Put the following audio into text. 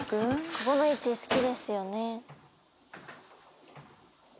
ここの位置好きですよね。